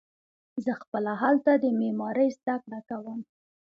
زه خپله هلته د معمارۍ زده کړه کوم.